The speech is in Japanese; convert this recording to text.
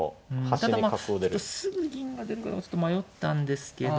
ただまあすぐ銀が出るかどうかちょっと迷ったんですけど。